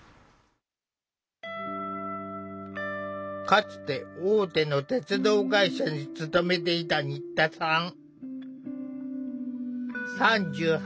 かつて大手の鉄道会社に勤めていた新田さん。